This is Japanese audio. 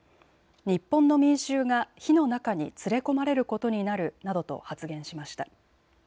日本の民衆が火の中に連れ込まれることになるなどと発言しました。